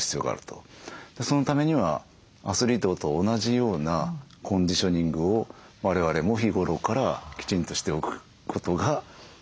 そのためにはアスリートと同じようなコンディショニングを我々も日頃からきちんとしておくことがとても重要になると思うんですよね。